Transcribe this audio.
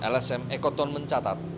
lsm ekoton mencatat